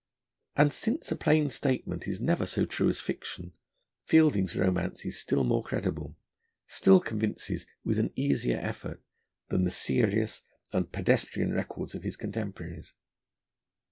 And since a plain statement is never so true as fiction, Fielding's romance is still more credible, still convinces with an easier effort, than the serious and pedestrian records of contemporaries.